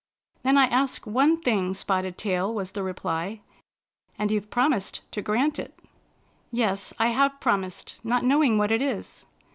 " Then I ask one thing. Spotted Tail," was the reply, " and you've promised to grant it." " Yes, I have promised, not knowing what it is."